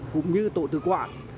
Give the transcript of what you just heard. cũng như tổ tử quản